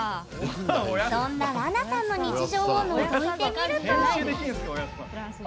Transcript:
そんな、らなさんの日常をのぞいてみると。